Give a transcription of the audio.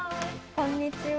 こんにちは。